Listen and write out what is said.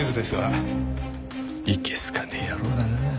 いけすかねえ野郎だな。